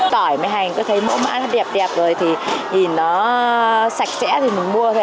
tỏi mẹ hành cứ thấy mỗi mã đẹp đẹp rồi thì nó sạch sẽ thì mình mua thôi ạ